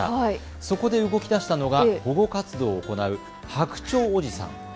そこで動きだしたのが保護活動を行う白鳥おじさん。